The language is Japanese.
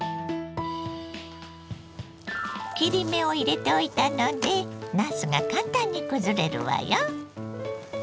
切り目を入れておいたのでなすが簡単にくずれるわよ。